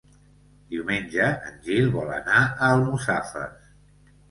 Diumenge en Gil vol anar a Almussafes.